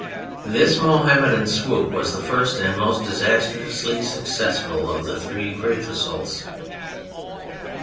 This Mohammedan swoop was the first and most disastrously successful of the three great assaults.